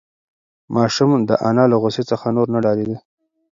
ماشوم د انا له غوسې څخه نور نه ډارېده.